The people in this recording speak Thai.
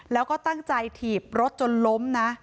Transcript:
แล้วก็ตั้งใจถีบรถจนล้มนะ